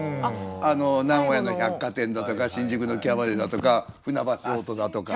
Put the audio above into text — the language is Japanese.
あの「名古屋の百貨店」だとか「新宿のキャバレー」だとか「船橋オート」だとか。